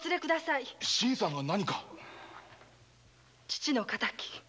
父の敵。